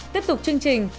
tiếp tục chương trình